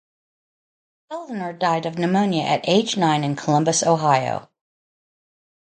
Eleanor died of pneumonia at age nine in Columbus, Ohio.